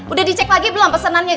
udah dicek lagi belum pesanannya